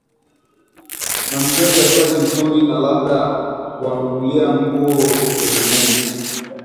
na mkewe chakula kizuri na labda kuwanunulia nguo kutegemea